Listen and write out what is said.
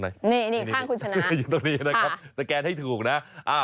นี่ข้างคุณชนะอยู่ตรงนี้นะครับสแกนให้ถูกนะ